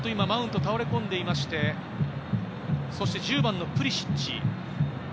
マウント倒れ込んでいまして、１０番のプリシッチ。